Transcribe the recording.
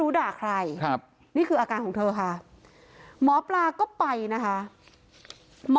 คุณปุ้ยอายุ๓๒นางความร้องไห้พูดคนเดี๋ยว